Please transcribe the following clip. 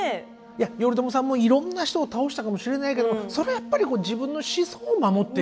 いや頼朝さんもいろんな人を倒したかもしれないけどもそれはやっぱり自分の子孫を守って。